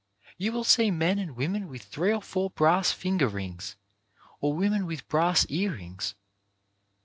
You will see men and women with three or four brass finger rings, or women with brass ear rings.